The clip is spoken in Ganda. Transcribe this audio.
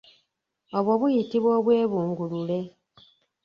Obwo buyitibwa obwebungulule.